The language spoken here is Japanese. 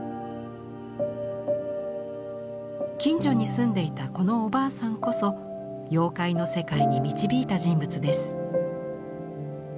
近所に住んでいたこのおばあさんこそ妖怪の世界に導いた人物です。